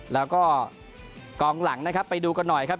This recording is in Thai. แล้วก็กองหลังนะครับไปดูกันหน่อยครับ